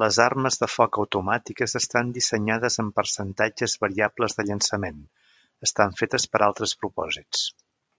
Les armes de foc automàtiques estan dissenyades amb percentatges variables de llançament estan fetes per altres propòsits.